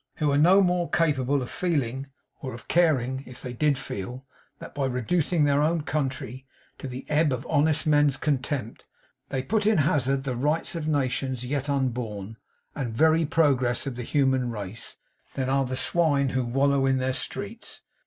Who are no more capable of feeling, or of caring if they did feel, that by reducing their own country to the ebb of honest men's contempt, they put in hazard the rights of nations yet unborn, and very progress of the human race, than are the swine who wallow in their streets.